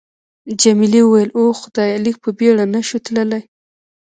جميلې وويل:: اوه خدایه، لږ په بېړه نه شو تللای؟